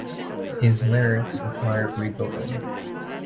His larynx required rebuilding.